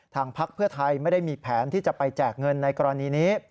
พักเพื่อไทยไม่ได้มีแผนที่จะไปแจกเงินในกรณีนี้